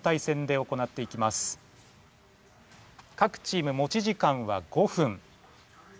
かくチーム持ち時間は５分。